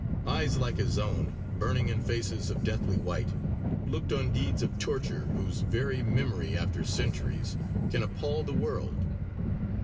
Eyes like his own, burning in faces of deathly white, looked on deeds of torture, whose very memory after centuries can appal the world.